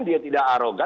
dia tidak arogat